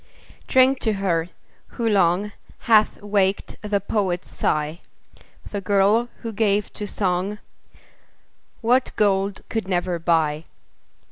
Drink to her, who long, Hath waked the poet's sigh. The girl, who gave to song What gold could never buy.